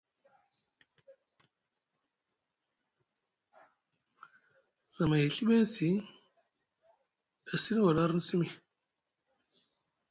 Zamay e Ɵiɓiŋsi, e sini wala arni simi.